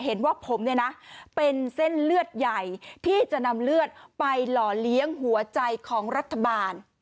เห็นว่าผมเนี่ยนะเป็นเส้นเลือดใหญ่ที่จะนำเลือดไปหล่อเลี้ยงหัวใจของรัฐบาล